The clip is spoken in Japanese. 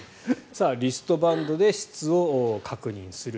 リストバンドで質を確認する。